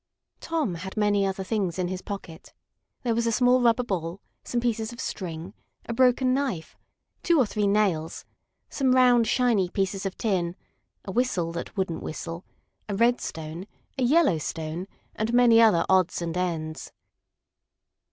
Tom had many other things in his pocket. There was a small rubber ball, some pieces of string, a broken knife, two or three nails, some round, shiny pieces of tin, a whistle that wouldn't whistle, a red stone, a yellow stone, and many other odds and ends.